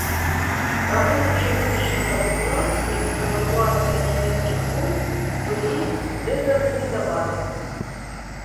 Работа чыгуначнага вузла і эвакуацыя нямецкіх войск былі дэзарганізаваны.